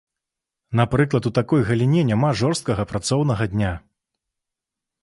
Напрыклад, у такой галіне няма жорсткага працоўнага дня.